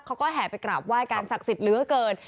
เขาก็แห่ไปกราบไห้กันศักดิ์สิทธิ์เหลือเกิน